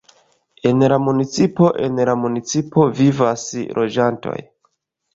En la municipo En la municipo vivas loĝantoj.